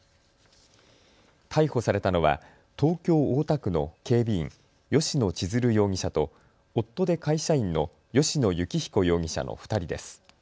逮捕されたのは東京大田区の警備員、吉野千鶴容疑者と夫で会社員の吉野幸彦容疑者の２人です。